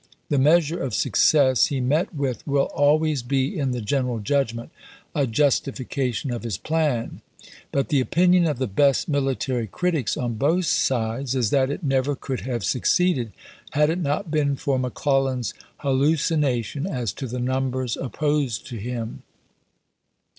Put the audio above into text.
The measure of success he met with will always be, in the general judgment, a justifica THE SEVEN DAYS' BATTLES 425 tion of his plan ; but the opinion of the best mili ch. xxiu. tary critics on both sides is that it never could have succeeded had it not been for McCIellan's hallucina tion as to the numbers opposed to him.